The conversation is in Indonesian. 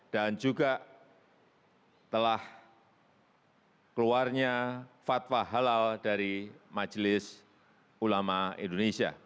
dan juga telah keluarnya fatwa halal dari majelis ulama indonesia